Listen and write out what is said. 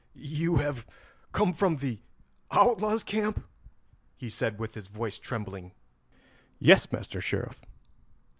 "You have come from the outlaws' camp?" he said with his voice trembling. "Yes, Master Sheriff."